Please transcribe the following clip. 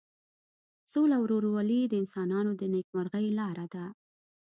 سوله او ورورولي د انسانانو د نیکمرغۍ لاره ده.